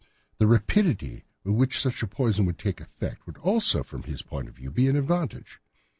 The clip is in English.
The rapidity with which such a poison would take effect would also, from his point of view, be an advantage.